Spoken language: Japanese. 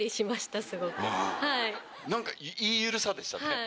いい緩さでしたね。